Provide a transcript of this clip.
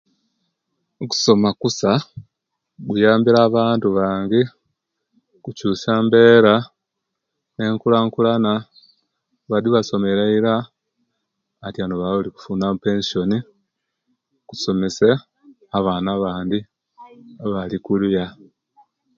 Okusoma kusa kunyambire abantu bangi okuchusa embeera ne nkulakulana badi abasomere eila atyanu Bali kufuna epesyon okusomesya abaana abandi abali okuliya